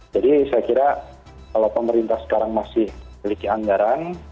jadi saya kira kalau pemerintah sekarang masih memiliki anggaran